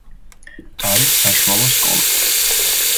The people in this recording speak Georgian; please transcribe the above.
არის საშუალო სკოლა.